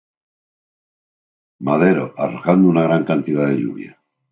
Madero, arrojando una gran cantidad de lluvia.